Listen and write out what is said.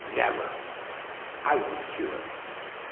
Never ! I won't hear of it.